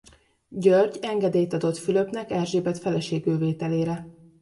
György engedélyt adott Fülöpnek Erzsébet feleségül vételére.